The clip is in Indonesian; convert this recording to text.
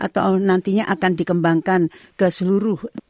atau nantinya akan dikembangkan ke seluruh